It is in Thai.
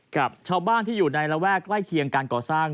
กับชาวบ้านที่อยู่ในระแวกใกล้เคียงการก่อสร้าง